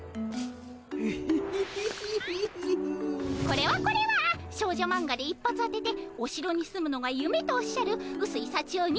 これはこれは少女マンガで一発当てておしろに住むのがゆめとおっしゃるうすいさちよ